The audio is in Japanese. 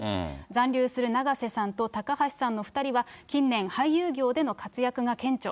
残留する永瀬さんと高橋さんの２人は近年、俳優業での活躍が顕著。